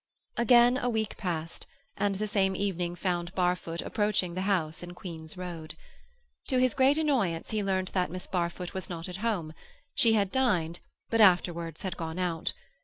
Again a week passed, and the same evening found Barfoot approaching the house in Queen's Road. To his great annoyance he learnt that Miss Barfoot was not at home; she had dined, but afterwards had gone out.